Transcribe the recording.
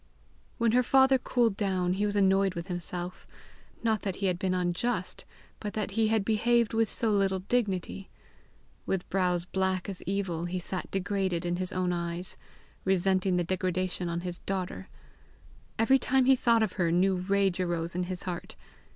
When her father cooled down, he was annoyed with himself, not that he had been unjust, but that he had behaved with so little dignity. With brows black as evil, he sat degraded in his own eyes, resenting the degradation on his daughter. Every time he thought of her, new rage arose in his heart.